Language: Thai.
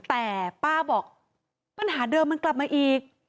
แต่ป้าบอกปัญหาเดิมมันกลับมาอีก